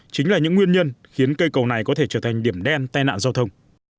chính là những nguyên nhân khiến cây cầu này có thể trở thành điểm đen tai nạn giao thông